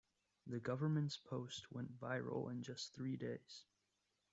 The government's post went viral in just three days.